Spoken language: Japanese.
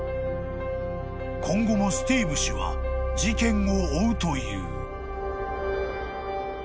［今後もスティーブ氏は事件を追うという］